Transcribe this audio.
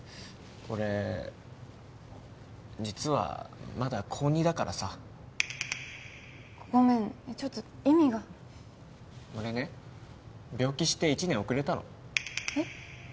俺実はまだ高２だからさごめんちょっと意味が俺ね病気して１年遅れたのえっ？